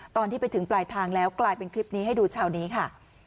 ตอนที่ไปถึงปลายทางแล้วกลายเป็นคลิปนี้ให้ดูเช้านี้ค่ะ